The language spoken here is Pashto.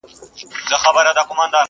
نه د ډیک غریب زړګی ورنه صبرېږي.!